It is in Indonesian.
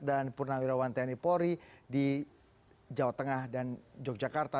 dan purnawirawan tni pori di jawa tengah dan yogyakarta